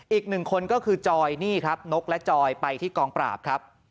อีกหนึ่งคนก็คือจอยนี่ครับนกและจอยไปที่กองปราบครับ